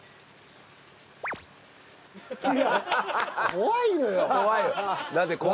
怖いのよ！